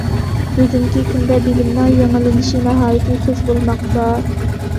بۈگۈنكى كۈندە بىلىمنىڭ يېڭىلىنىشى ناھايىتى تېز بولماقتا.